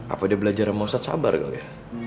apa dia belajar sama ustadz sabar kali ya